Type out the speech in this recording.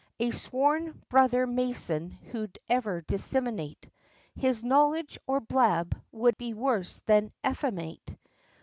A sworn brother mason who'd ever disseminate His knowledge, or blab, would be worse than effeminate!